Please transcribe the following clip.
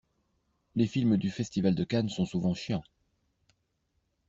Les films du festival de Cannes sont souvent chiants.